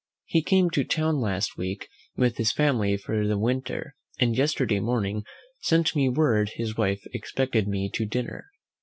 He came to town last week with his family for the winter, and yesterday morning sent me word his wife expected me to dinner.